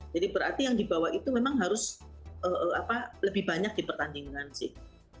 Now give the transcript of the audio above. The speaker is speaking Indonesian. jadi berarti yang dibawah itu memang harus lebih banyak di pertandingan sih